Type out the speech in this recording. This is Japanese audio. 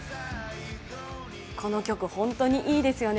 この曲、本当にいいですよね。